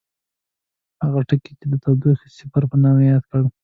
هغه ټکی یې د تودوخې صفر په نامه یاد کړ.